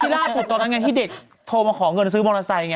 ล่าสุดตอนนั้นไงที่เด็กโทรมาขอเงินซื้อมอเตอร์ไซค์